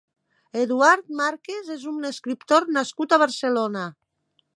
Eduard Márquez és un escriptor nascut a Barcelona.